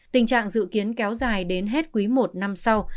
tình trạng dự kiến kéo dài đến hết quý i năm sau